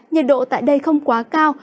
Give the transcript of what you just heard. nhiệt độ tại đây không quá cao